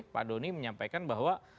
pak doni menyampaikan bahwa